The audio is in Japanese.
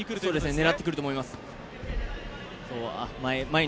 狙ってくると思います。